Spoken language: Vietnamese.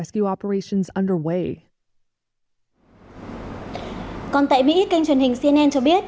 còn tại mỹ kênh truyền hình cnn cho biết